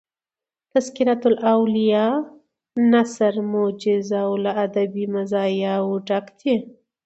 "تذکرةالاولیاء" نثر موجز او له ادبي مزایاو ډک دﺉ.